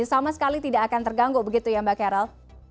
jadi sama sekali tidak akan terganggu begitu ya mbak carol